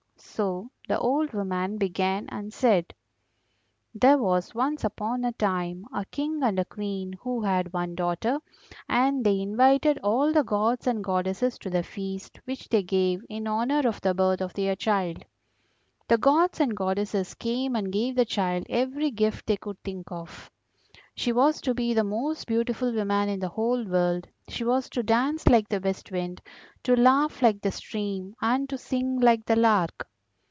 So the old woman began and said: "There was once upon a time a King and a Queen who had one daughter, and they invited all the gods and goddesses to the feast which they gave in honour of the birth of their child. The gods and goddesses came and gave the child every gift they could think of; she was to be the most beautiful woman in the whole world, she was to dance like the West wind, to laugh like the stream, and to sing like the lark.